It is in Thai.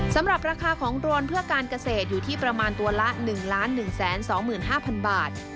สำหรับราคาของโดรนเพื่อการเกษตรอยู่ที่ประมาณตัวละ๑๑๒๕๐๐๐บาท